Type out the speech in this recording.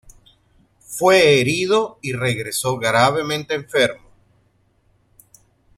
Fue herido y regresó gravemente enfermo.